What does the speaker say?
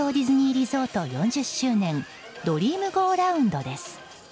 リゾート４０周年ドリームゴーラウンドです。